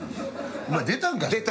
お前出たんかい。